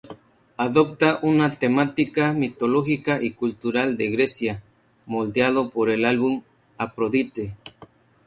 Adopta una temática mitológica y cultural de Grecia, moldeado por el álbum "Aphrodite".